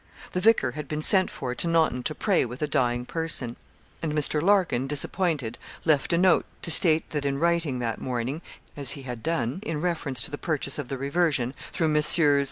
The vicar had been sent for to Naunton to pray with a dying person; and Mr. Larkin, disappointed, left a note to state that in writing that morning, as he had done, in reference to the purchase of the reversion, through Messrs.